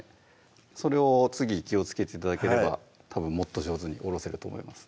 それを次気をつけて頂ければたぶんもっと上手におろせると思います